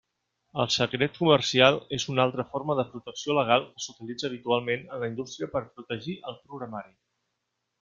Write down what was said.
El secret comercial és una altra forma de protecció legal que s'utilitza habitualment en la indústria per protegir el programari.